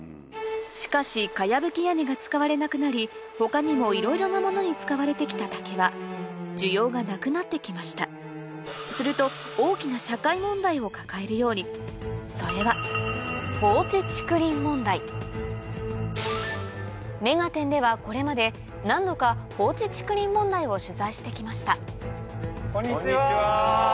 しかし茅葺き屋根が使われなくなり他にもいろいろなものに使われてきた竹は需要がなくなってきましたすると大きな社会問題を抱えるようにそれはこれまで何度かしてきましたこんにちは。